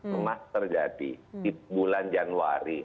lemas terjadi di bulan januari